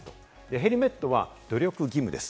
ヘルメットは努力義務です。